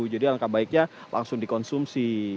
jadi angka baiknya langsung dikonsumsi